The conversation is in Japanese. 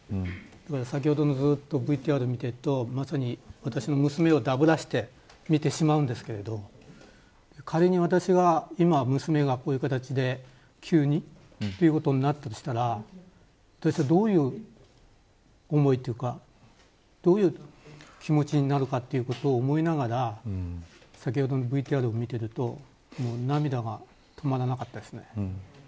先ほどのＶＴＲを見ているとまさに私の娘をダブらせて見てしまうんですが仮に私が今、娘がこういう形で急にということになったとしたら私はどういう思いというかどういう気持ちになるかということを思いながら先ほどのＶＴＲを見ていると涙が止まらなかったです。